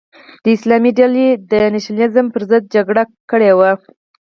د اسلامي ډلې د نشنلیزم پر ضد جګړه کړې وه.